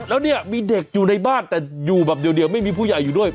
แล้วเนี่ยมีเด็กอยู่ในบ้านแต่อยู่แบบเดียวไม่มีผู้ใหญ่อยู่ด้วย